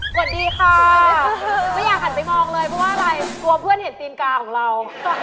สวัสดีค่ะไม่อยากหันไปมองเลยเพราะว่าอะไรกลัวเพื่อนเห็นตีนกาของเรา